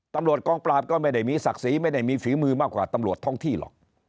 ตำรวจกองปราบก็ไม่ได้มีศักดิ์ศรีไม่ได้มีฝีมือมากกว่าตำรวจท้องที่หรอก